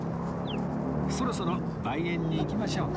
そろそろ梅園に行きましょうか